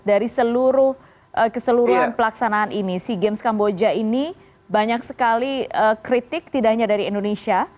dari seluruh keseluruhan pelaksanaan ini sea games kamboja ini banyak sekali kritik tidak hanya dari indonesia